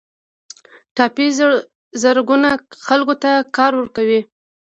ټاپي زرګونه خلکو ته کار ورکوي